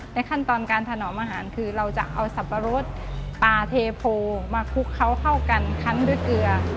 ขั้นตอนการถนอมอาหารคือเราจะเอาสับปะรดปลาเทโพมาคลุกเขาเข้ากันคั้นด้วยเกลือ